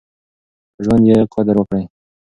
په ژوند يې قدر وکړئ.